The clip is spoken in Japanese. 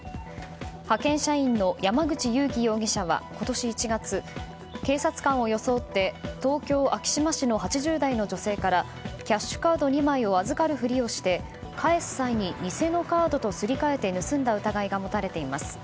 派遣社員の山口裕貴容疑者は今年１月警察官を装って東京・昭島市の８０代の女性からキャッシュカード２枚を預かるふりをして返す際に偽のカードとすり替えて盗んだ疑いが持たれています。